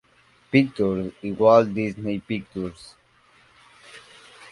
Pictures y Walt Disney Pictures.